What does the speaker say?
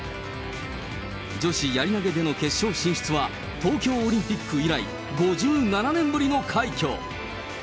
女子やり投げでの決勝進出は、東京オリンピック以来５７年ぶりの快挙。